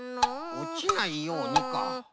おちないようにか。